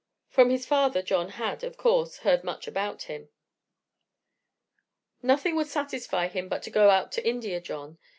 From his father John had, of course, heard much about him. "Nothing would satisfy him but to go out to India, John.